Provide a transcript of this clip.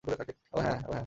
হ্যাঁ, ওহ হ্যাঁ?